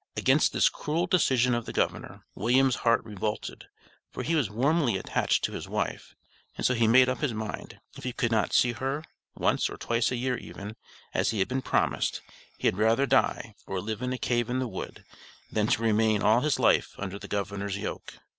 Against this cruel decision of the governor, William's heart revolted, for he was warmly attached to his wife, and so he made up his mind, if he could not see her "once or twice a year even," as he had been promised, he had rather "die," or live in a "cave in the wood," than to remain all his life under the governor's yoke.